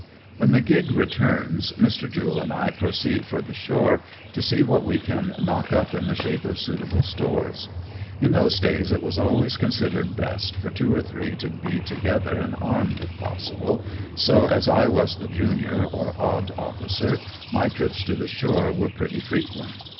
"When the gig returns, Mr. Jule and I proceed for the shore to see what we can knock up in the shape of suitable stores. In those days it was always con sidered best for two or three to be together and armed, if possible, so as I was the junior or odd officer, my 90 AMONG TYPHOONS AND PIRATE CRAFT. trips to the shore were pretty frequent.